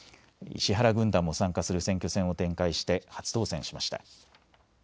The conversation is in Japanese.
石原軍団も参加する選挙戦を展開して初当選しました。